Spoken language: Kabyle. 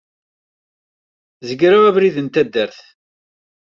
Zegreɣ abrid n taddart.